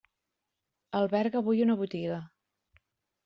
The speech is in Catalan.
Alberga avui una botiga.